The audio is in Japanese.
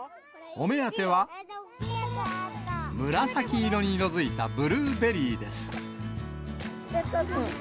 お目当ては、紫色に色づいたブルーベリーです。